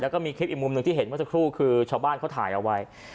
แล้วก็มีคลิปอีกมุมหนึ่งที่เห็นเมื่อสักครู่คือชาวบ้านเขาถ่ายเอาไว้